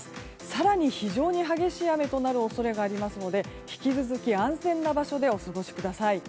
更に、非常に激しい雨となる恐れがありますので引き続き安全な場所でお過ごしください。